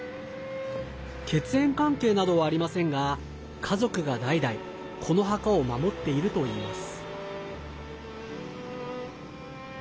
血縁関係などはありませんが家族が代々この墓を守っているといいます。